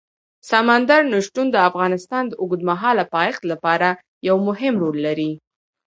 سمندر نه شتون د افغانستان د اوږدمهاله پایښت لپاره یو مهم رول لري.